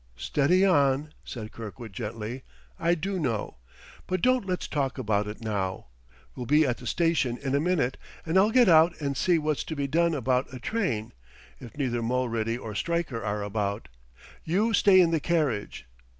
"Steady on!" said Kirkwood gently. "I do know, but don't let's talk about it now. We'll be at the station in a minute, and I'll get out and see what's to be done about a train, if neither Mulready or Stryker are about. You stay in the carriage....